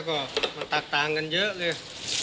ก็ต่างกันเยอะเลย